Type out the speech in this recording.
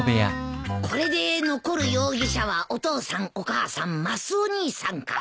これで残る容疑者はお父さんお母さんマスオ兄さんか。